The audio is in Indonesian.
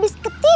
kita akan tuh